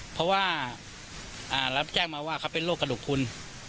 เพราะว่าอ่าแล้วแจ้งมาว่าเขาเป็นโรคกระดูกคุ้น